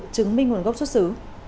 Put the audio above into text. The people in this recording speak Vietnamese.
chứng minh nguồn gốc xuất xứ